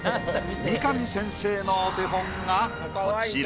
三上先生のお手本がこちら。